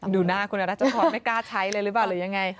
ดูหน้าคุณรัชพรไม่กล้าใช้เลยหรือเปล่าหรือยังไง